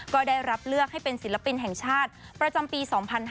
ก็ได้รับเลือกให้เป็นศิลปินแห่งชาติประจำปี๒๕๕๙